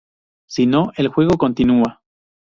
Si no, el juego continúa.